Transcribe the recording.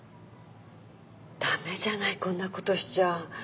駄目じゃないこんなことしちゃ